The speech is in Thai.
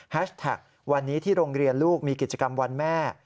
แท็กวันนี้ที่โรงเรียนลูกมีกิจกรรมวันแม่